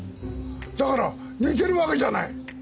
だから寝てるわけじゃない。